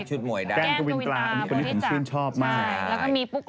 แก้งกวินกราอันนี้คนชื่นชอบมาก